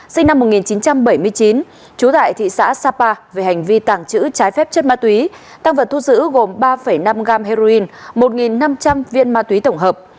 sinh năm một nghìn chín trăm bảy mươi chín chú tại thị xã sapa về hành vi tàng trữ trái phép chất ma túy tăng vật thu giữ gồm ba năm gram heroin một năm trăm linh viên ma túy tổng hợp